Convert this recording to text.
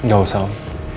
gak usah om